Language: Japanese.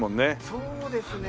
そうですね。